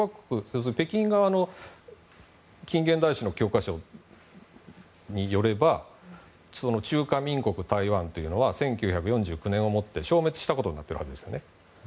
要するに北京側の近現代史の教科書によれば中華民国台湾というのは１９４９年をもって消滅したことになっているわけですね。